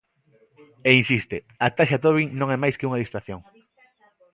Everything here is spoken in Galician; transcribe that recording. E insiste: A Taxa Tobin non é máis que unha distracción.